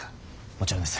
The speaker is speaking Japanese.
もちろんです。